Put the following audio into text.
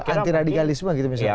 antiradikalisme gitu misalnya